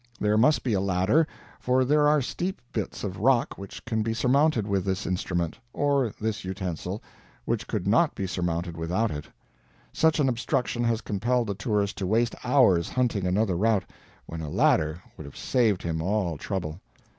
There must be a ladder, for there are steep bits of rock which can be surmounted with this instrument or this utensil but could not be surmounted without it; such an obstruction has compelled the tourist to waste hours hunting another route, when a ladder would have saved him all trouble.